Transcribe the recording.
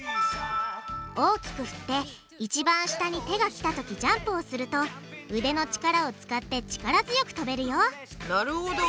大きくふって一番下に手がきたときジャンプをすると腕の力を使って力強くとべるよなるほど。